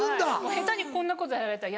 下手にこんなことやられたら。